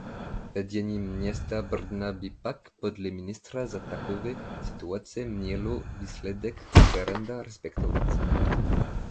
Vedení města Brna by pak podle ministra za takové situace mělo výsledek referenda respektovat.